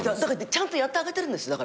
ちゃんとやってあげてるんです。